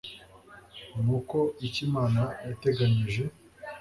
nuko icyo imana yateranyije